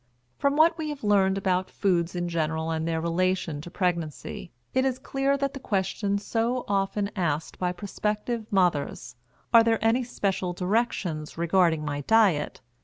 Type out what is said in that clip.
From what we have learned about foods in general and their relation to pregnancy it is clear that the question so often asked by prospective mothers, "Are there any special directions regarding my diet?"